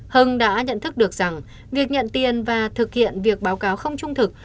hưng đã nhận thức được rằng việc nhận tiền và thực hiện việc báo cáo không trung thực